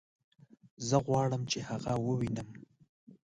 زه غواړم چې هغه ووينم